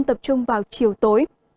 tập trung vào chiều và tối